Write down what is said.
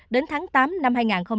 đến tháng tám năm hai nghìn hai mươi một